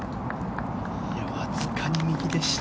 わずかに右でした。